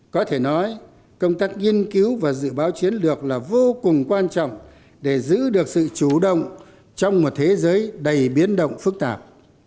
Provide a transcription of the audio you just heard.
có thể nói công tác nghiên cứu và dự báo chiến lược là vô cùng quan trọng để giữ được sự chủ động trong một thế giới đầy biến động phức tạp